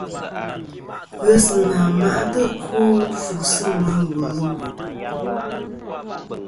Ghesɨnà ma'tɨ ɨkwo fu sɨ ŋweyn wu lu.